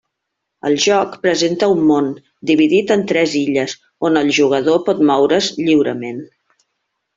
El joc presenta un món, dividit en tres illes, on el jugador pot moure's lliurement.